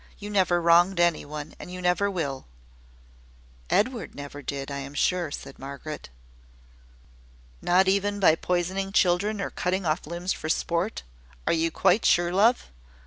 You never wronged any one, and you never will." "Edward never did, I am sure," said Margaret. "Not even by poisoning children, nor cutting off limbs for sport? Are you quite sure, love?